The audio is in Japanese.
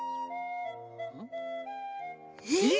えっ！？